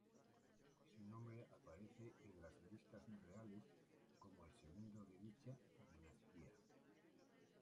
Su nombre aparece en las listas reales como el segundo de dicha dinastía.